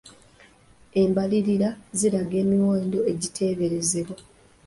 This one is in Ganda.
Embalirira ziraga emiwendo egiteeberezebwa.